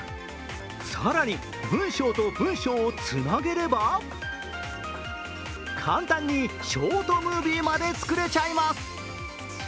更に文章と文章をつなげれば簡単にショートムービーまで作れちゃいます。